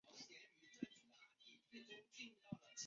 纽厄尔是一个位于美国阿拉巴马州兰道夫县的非建制地区。